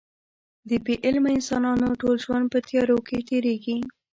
د بې علمه انسانانو ټول ژوند په تیارو کې تېرېږي.